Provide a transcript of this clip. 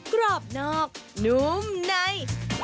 กรอบนอกนุ่มใน